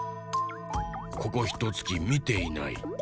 ここひとつきみていない。